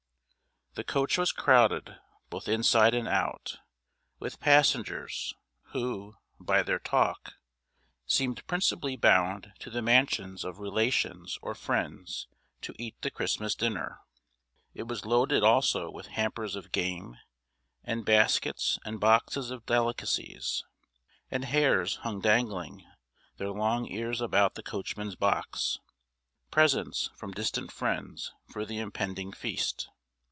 The coach was crowded, both inside and out, with passengers, who, by their talk, seemed principally bound to the mansions of relations or friends to eat the Christmas dinner. It was loaded also with hampers of game, and baskets and boxes of delicacies; and hares hung dangling their long ears about the coachman's box, presents from distant friends for the impending feast.